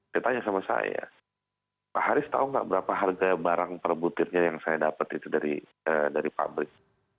dia tanya sama saya pak haris tau nggak berapa harga barang perbutirnya yang saya dapet itu dari pabrik